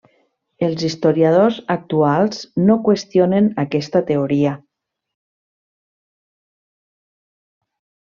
Els historiadors actuals no qüestionen aquesta teoria.